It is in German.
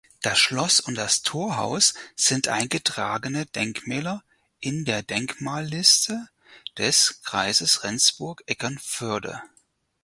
Das Schloss und das Torhaus sind eingetragene Denkmäler in der Denkmalliste des Kreises Rendsburg-Eckernförde.